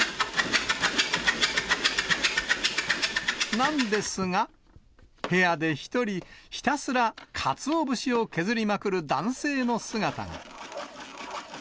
なんですが、部屋で一人ひたすら鰹節を削りまくる男性の姿が。